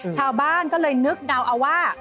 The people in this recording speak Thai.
ชาวบ้านก็เลยนึกเดาเอาว่า